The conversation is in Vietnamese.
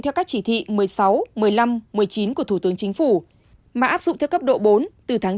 theo các chỉ thị một mươi sáu một mươi năm một mươi chín của thủ tướng chính phủ mà áp dụng theo cấp độ bốn từ tháng chín